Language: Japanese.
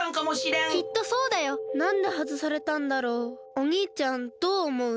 おにいちゃんどうおもう？